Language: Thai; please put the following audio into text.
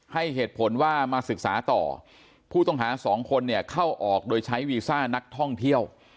ให้เหตุผลว่ามาศึกษาต่อผู้ต้องหาสองคนเนี่ยเข้าออกโดยใช้วีซ่านักท่องเที่ยว